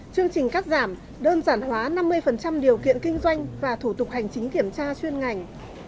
chương trình cắt giảm đơn giản hóa năm mươi điều kiện kinh doanh và thủ tục hành chính kiểm tra chuyên ngành